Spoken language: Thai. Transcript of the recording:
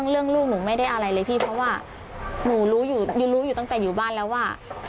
ลูกหนูไม่ได้อะไรเลยพี่เพราะว่าหนูรู้อยู่รู้อยู่ตั้งแต่อยู่บ้านแล้วว่า